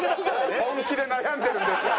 本気で悩んでるんですから！